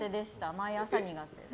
毎朝苦手です。